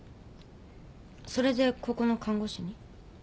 それでここの看護師に？